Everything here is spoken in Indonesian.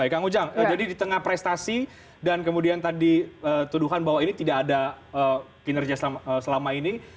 kang ujang jadi di tengah prestasi dan kemudian tadi tuduhan bahwa ini tidak ada kinerja selama ini